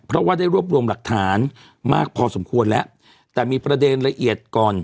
เพราะว่าได้รวบรวมหลักฐานมากพอสมควรแล้วแต่มีประเด็นละเอียดก่อน